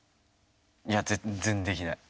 いや、全然できない。